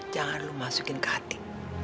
jangan lu masukin ke hati